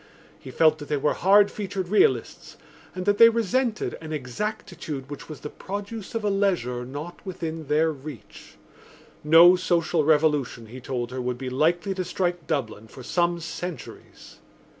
He felt that they were hard featured realists and that they resented an exactitude which was the produce of a leisure not within their reach. No social revolution, he told her, would be likely to strike Dublin for some centuries.